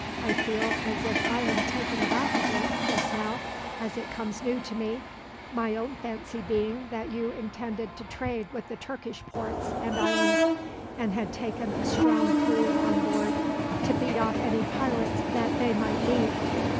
I feel as if I am taken aback a bit, just now, as it comes new to me my own fancy being that you intended to trade with the Turkish ports and islands, and had taken a strong crew on board to beat off any pirates that they might meet."